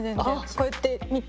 こうやって見て。